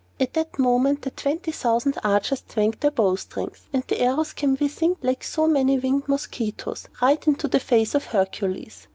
At that moment the twenty thousand archers twanged their bowstrings, and the arrows came whizzing, like so many winged mosquitoes, right into the face of Hercules.